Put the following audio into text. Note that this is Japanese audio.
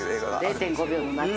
『０．５秒の夏』